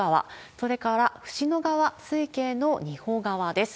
それから、椹野川水系の仁保川です。